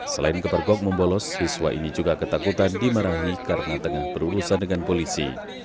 selain kepergok membolos siswa ini juga ketakutan dimarahi karena tengah berurusan dengan polisi